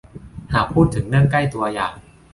หากพูดถึงเรื่องใกล้ตัวอย่าง